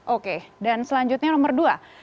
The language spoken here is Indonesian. oke dan selanjutnya nomor dua